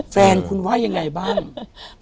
แฟนคุณว่ายังไงบ้าง